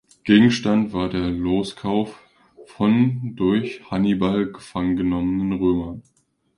Gegenstand war der Loskauf von durch Hannibal gefangengenommenen Römern.